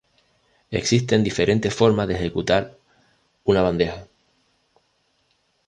Existen diferentes formas de ejecutar una bandeja.